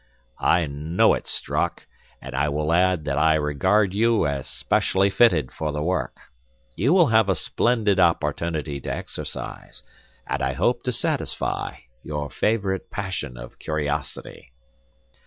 "I know it, Strock, and I will add that I regard you as specially fitted for the work. You will have a splendid opportunity to exercise, and I hope to satisfy, your favorite passion of curiosity."